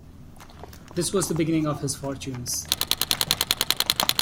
This was the beginning of his fortunes.